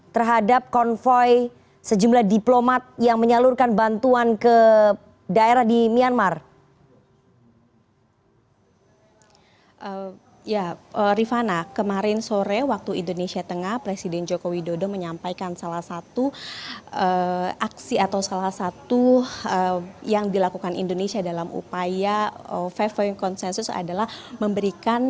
terhadap konvoy sejumlah diplomat yang menyalurkan bantuan ke daerah di myanmar